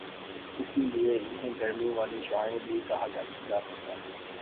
اسی لئے انہیں گرمی والی شعاعیں بھی کہا جاسکتا ہے